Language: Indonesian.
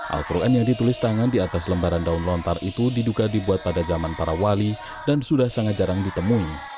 al quran yang ditulis tangan di atas lembaran daun lontar itu diduga dibuat pada zaman para wali dan sudah sangat jarang ditemui